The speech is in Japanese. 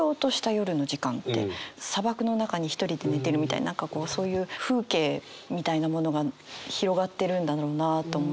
砂漠の中に一人で寝てるみたいな何かこうそういう風景みたいなものが広がってるんだろうなと思って。